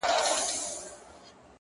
پر تك سره پلـــنــگ ـ